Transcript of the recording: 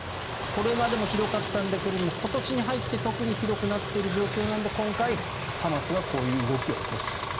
これまでもひどかったんだけど今年に入って特にひどくなっている状況なので今回、ハマスがこういう動きを起こしたんだと。